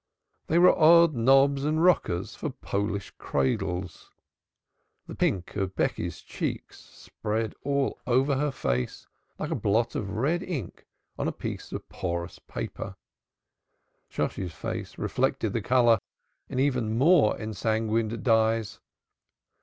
They were odd knobs and rockers for Polish cradles! The pink of Becky's cheeks spread all over her face like a blot of red ink on a piece of porous paper. Shosshi's face reflected the color in even more ensanguined dyes.